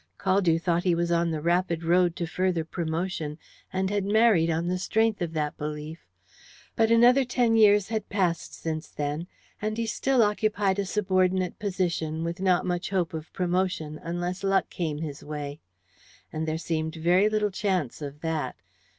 Caldew thought he was on the rapid road to further promotion, and had married on the strength of that belief. But another ten years had passed since then, and he still occupied a subordinate position, with not much hope of promotion unless luck came his way. And there seemed very little chance of that.